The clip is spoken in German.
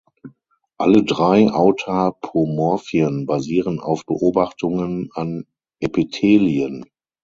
Alle drei Autapomorphien basieren auf Beobachtungen an Epithelien.